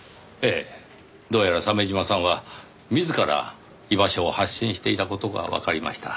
ええどうやら鮫島さんは自ら居場所を発信していた事がわかりました。